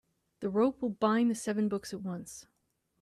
The rope will bind the seven books at once.